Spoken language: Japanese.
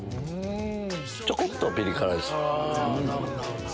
ちょこっとピリ辛です。